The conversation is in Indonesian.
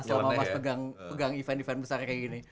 selama mas pegang event event besar kayak gini